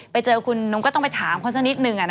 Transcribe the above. ไปเจอคุณนุ้งก็ต้องไปถามเขาสักนิดนึง